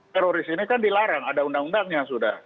teroris ini kan dilarang ada undang undangnya sudah